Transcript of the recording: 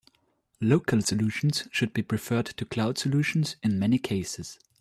Local solutions should be preferred to cloud solutions in many cases.